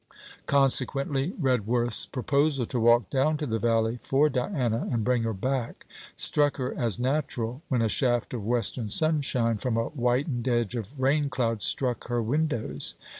Consequently, Redworth's proposal to walk down to the valley for Diana, and bring her back, struck her as natural when a shaft of western sunshine from a whitened edge of raincloud struck her windows.